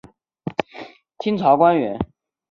清朝官员。